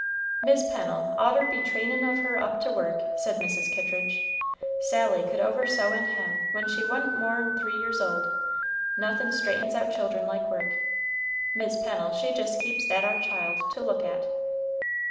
"Mis' Pennel oughter be trainin' of her up to work," said Mrs. Kittridge. "Sally could oversew and hem when she wa'n't more'n three years old; nothin' straightens out children like work. Mis' Pennel she just keeps that ar child to look at."